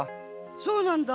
そうなんだ。